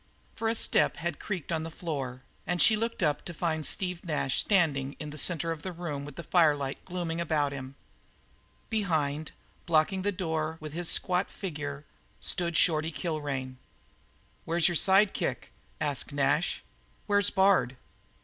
For a step had creaked on the floor, and she looked up to find Steve Nash standing in the centre of the room with the firelight gloomily about him; behind, blocking the door with his squat figure, stood Shorty Kilrain. "Where's your side kicker?" asked Nash. "Where's Bard?"